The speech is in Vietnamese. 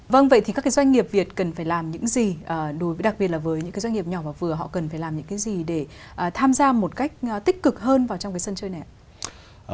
vâng vậy thì các cái doanh nghiệp việt cần phải làm những gì đối với đặc biệt là với những cái doanh nghiệp nhỏ và vừa họ cần phải làm những cái gì để tham gia một cách tích cực hơn vào trong cái sân chơi này ạ